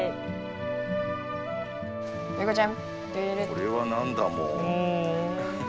「これは何だモウ？」。